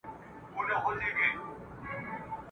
چي پخپله وو په دام کي کښېوتلی !.